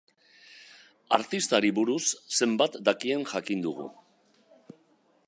Artistari buruz zenbat dakien jakin dugu.